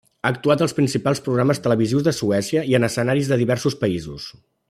Ha actuat als principals programes televisius de Suècia i en escenaris de diversos països.